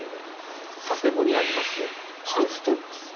佐世保にありますハウステンボス。